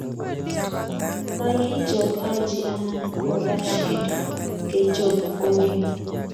Makichob Haji anan ko Rashid kechob kokeny.